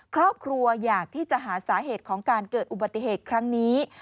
ครอบครัวอยากที่จะหาสาเหตุของการเกิดอุบัติเหตุครั้งนี้